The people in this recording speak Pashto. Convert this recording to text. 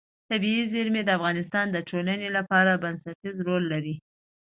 طبیعي زیرمې د افغانستان د ټولنې لپاره بنسټيز رول لري.